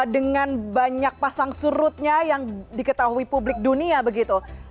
dengan banyak pasang surutnya yang diketahui publik dunia begitu